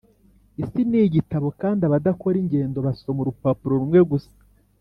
isi nigitabo kandi abadakora ingendo basoma urupapuro rumwe gusa.